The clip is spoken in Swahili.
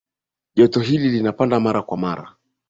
joto hili linapanda mara kwa mara